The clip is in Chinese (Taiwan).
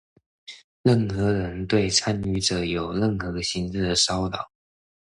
任何人對參與者有任何形式的騷擾